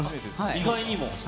意外にも？